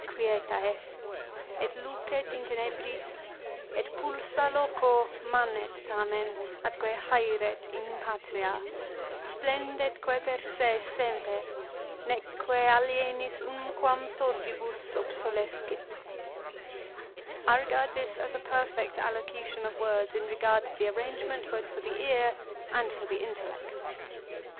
xxviii. " Qu in tempestate sseva quieta est, et lucet in tenebris, et pulsa loco manet tamen, atque hseret in patria, splendetque per se semper, neque alienis unquam sordibus obsolescit." I regard this as a perfect allocution of words in regard to the arrangement both for the ear and for the intellect.